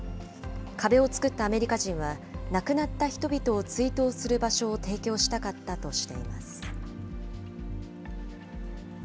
壁を作ったアメリカ人は、亡くなった人々を追悼する場所を提供したかったとしています。